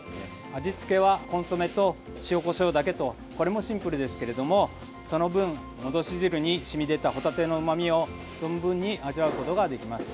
味付けはコンソメと塩、こしょうだけとこれもシンプルですけれどもその分、戻し汁に染み出たホタテのうまみを存分に味わうことができます。